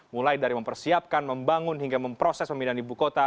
mulai dari mempersiapkan membangun hingga memproses pemindahan ibu kota